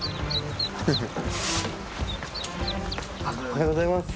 おはようございます。